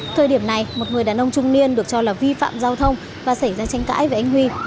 thời điểm này một người đàn ông trung niên được cho là vi phạm giao thông và xảy ra tranh cãi với anh huy